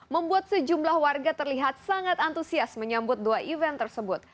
membuat sejumlah warga terlihat sangat antusias menyambut dua event tersebut